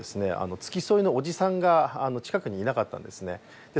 付き添いのおじさんが近くにいなかったんですねで